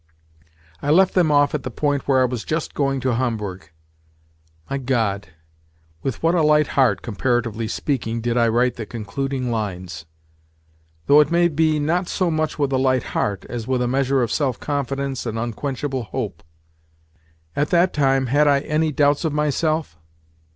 I left them off at the point where I was just going to Homburg. My God, with what a light heart (comparatively speaking) did I write the concluding lines!—though it may be not so much with a light heart, as with a measure of self confidence and unquenchable hope. At that time had I any doubts of myself?